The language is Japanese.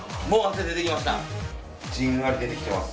じんわり出てきてます。